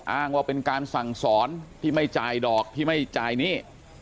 อ้างว่าเป็นการสั่งสอนที่ไม่จ่ายดอกที่ไม่จ่ายหนี้